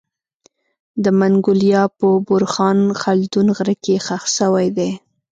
د منګولیا په بورخان خلدون غره کي خښ سوی دی